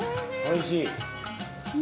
おいしい？